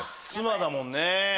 妻だもんね。